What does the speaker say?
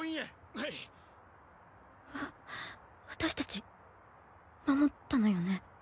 はい。わ私たち守ったのよね？